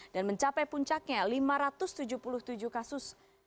dan mencapai puncaknya lima ratus tujuh puluh tujuh kasus